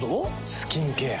スキンケア。